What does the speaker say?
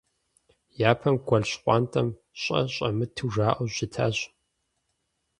Япэм гуэл Щхъуантӏэм щӏэ щӏэмыту жаӏэу щытащ.